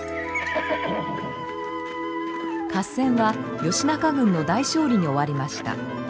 合戦は義仲軍の大勝利に終わりました。